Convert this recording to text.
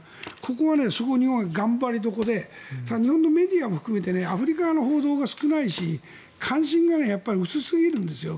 ここは日本は頑張りどころで日本のメディアも含めてアフリカの報道が少ないし関心が薄すぎるんです。